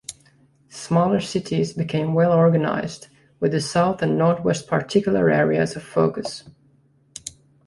Smaller cities became well-organized, with the South and Northwest particular areas of focus.